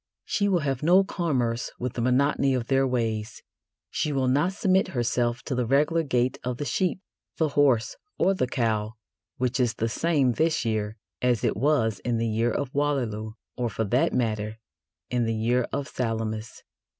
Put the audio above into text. She will have no commerce with the monotony of their ways. She will not submit herself to the regular gait of the sheep, the horse, or the cow, which is the same this year as it was in the year of Waterloo, or, for that matter, in the year of Salamis.